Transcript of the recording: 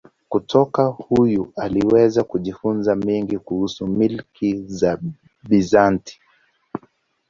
Kutoka huyu aliweza kujifunza mengi kuhusu milki ya Bizanti.